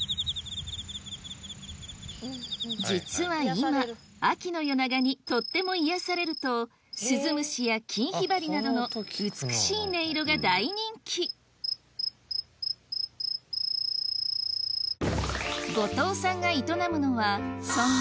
実は今秋の夜長にとっても癒やされるとスズムシやキンヒバリなどの美しい音色が大人気後藤さんが営むのはそんな